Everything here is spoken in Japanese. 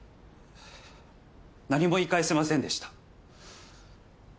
何も言い返せませんでした。